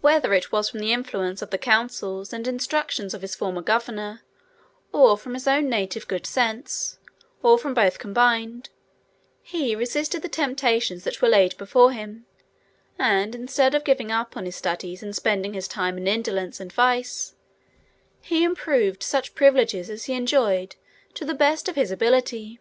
Whether it was from the influence of the counsels and instructions of his former governor, or from his own native good sense, or from both combined, he resisted the temptations that were laid before him, and, instead of giving up his studies, and spending his time in indolence and vice, he improved such privileges as he enjoyed to the best of his ability.